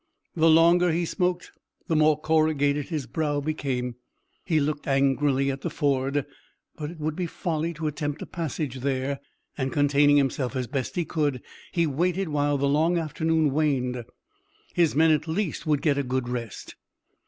The longer he smoked the more corrugated his brow became. He looked angrily at the ford, but it would be folly to attempt a passage there, and, containing himself as best he could, he waited while the long afternoon waned. His men at least would get a good rest.